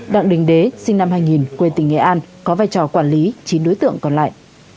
đặng đình đế sinh năm hai nghìn quê tỉnh nghệ an có vai trò quản lý chín đối tượng còn lại